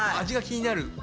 味が気になる。